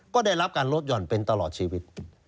ก็ได้รับการลดหย่อนเป็นตลอดชีวิต